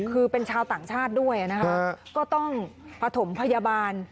คือเป็นชาวต่างชาติด้วยนะคะก็ต้องประถมพยาบาล